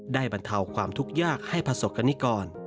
ได้บรรเทาความทุกข์ยากให้ผสกกรณิกร